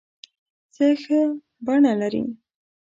څه ښه بڼه لرې